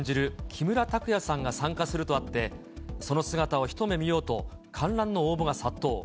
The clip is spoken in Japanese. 木村拓哉さんが参加するとあって、その姿を一目見ようと、観覧の応募が殺到。